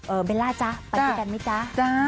เอ้อเบลซ่าไปเที่ยวกันมี่จ๊า